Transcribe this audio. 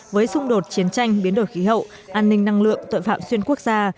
với xung đột chiến tranh biến đổi khí hậu an ninh năng lượng tội phạm xuyên quốc gia